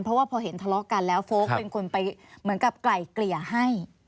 เพราะว่าพอเห็นทะเลาะกันแล้วโฟลกเป็นคนไปเหมือนกับไกลเกลี่ยให้